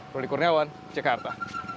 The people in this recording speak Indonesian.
roly kurniawan jakarta